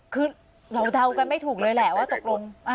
คือเราเดากันไม่ถูกเลยแหละว่าตกลง